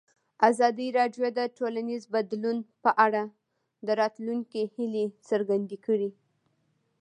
ازادي راډیو د ټولنیز بدلون په اړه د راتلونکي هیلې څرګندې کړې.